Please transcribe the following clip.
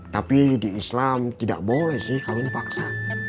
tapi di islam tidak boleh sih kami dipaksa